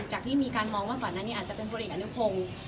จากที่มีการมองว่าก่อนหน้านี้อาจจะเป็นคนเอกอาณุพงศ์